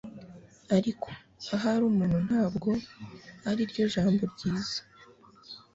ariko, ahari ubuntu ntabwo ariryo jambo ryiza